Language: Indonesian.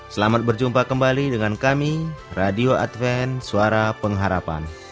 selamat berjumpa kembali dengan kami radio adven suara pengharapan